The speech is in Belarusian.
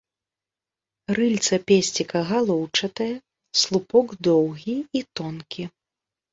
Рыльца песціка галоўчатае, слупок доўгі і тонкі.